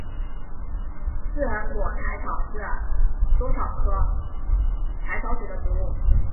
似横果薹草是莎草科薹草属的植物。